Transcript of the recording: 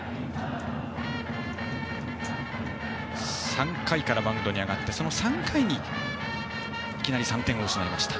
３回からマウンドに上がってその３回にいきなり３点を失いました。